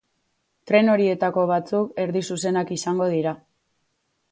Tren horietako batzuk erdi-zuzenak izango dira.